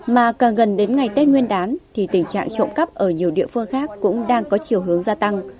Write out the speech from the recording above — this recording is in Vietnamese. mà càng gần đến ngày tết nguyên đán thì tình trạng trộm cắp ở nhiều địa phương khác cũng đang có chiều hướng gia tăng